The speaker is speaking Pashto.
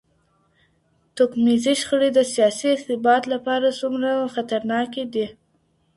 توکميزې شخړې د سياسي ثبات لپاره څومره خطرناکې دي؟